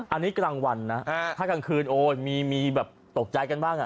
อันนี้กลางวันนะถ้ากลางคืนโอ้ยมีแบบตกใจกันบ้าง